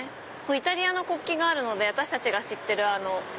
イタリアの国旗があるので私たちが知ってるあの。